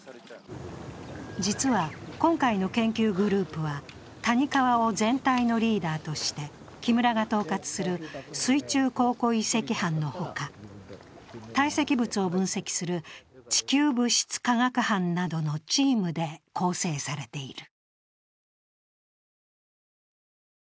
実は、今回の研究グループは谷川を全体のリーダーとして木村が統括する水中考古遺跡班のほか、堆積物を分析する地球物質科学班などのチームで構成されている。